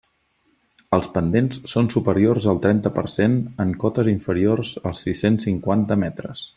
Els pendents són superiors al trenta per cent en cotes inferiors als sis-cents cinquanta metres.